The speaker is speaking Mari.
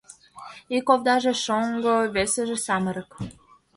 Ик овдаже шоҥго, весыже самырык.